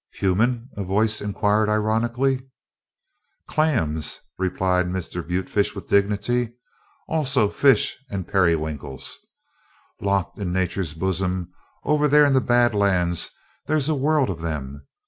"Human?" a voice inquired ironically. "Clams," replied Mr. Butefish with dignity. "Also fish and periwinkles. Locked in Nature's boozem over there in the Bad Lands there's a world of them.